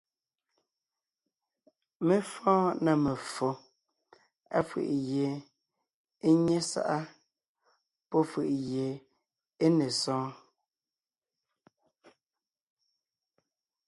Mé fɔ́ɔn na meffo, áfʉ̀ʼ gie é nyé sáʼa pɔ́ fʉ̀ʼʉ gie é ne sɔɔn: